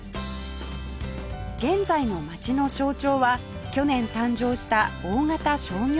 現在の街の象徴は去年誕生した大型商業施設